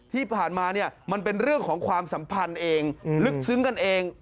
ที่ผ่านมาเนี่ยมันเป็นเรื่องของความสัมพันธ์เองลึกซึ้งกันเอง